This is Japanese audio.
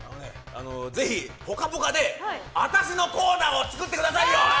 ぜひ「ぽかぽか」で私のコーナーを作ってくださいよ！